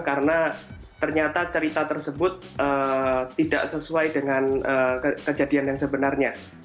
karena ternyata cerita tersebut tidak sesuai dengan kejadian sebenarnya